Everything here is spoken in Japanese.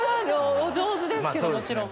お上手ですけどもちろん。